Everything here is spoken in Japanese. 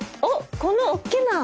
このおっきな山。